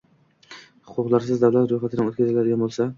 Huquqlariz davlat roʼyxatidan oʼtkazilgan boʼlsa